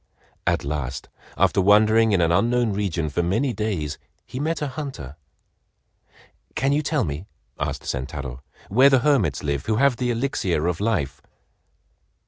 At last, after wandering in an unknown region for many days, he met a hunter. "Can you tell me," asked Sentaro, "where the hermits live who have the Elixir of Life?"